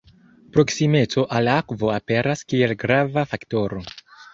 Proksimeco al akvo aperas kiel grava faktoro.